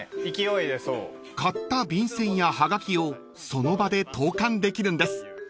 ［買った便箋や葉書をその場で投函できるんです］